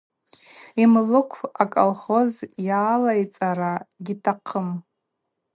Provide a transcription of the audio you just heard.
Йымлыкв аколхоз йалайцӏара гьитахъым.